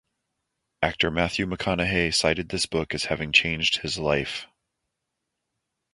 Actor Matthew McConaughey cited this book as having changed his life.